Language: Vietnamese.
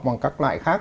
bằng các loại khác